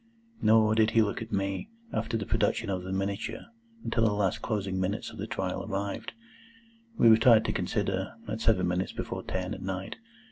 Nor did he look at me, after the production of the miniature, until the last closing minutes of the trial arrived. We retired to consider, at seven minutes before ten at night.